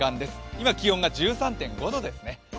今、気温が１３．５度ですね。